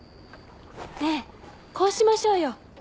ねぇこうしましょうよ。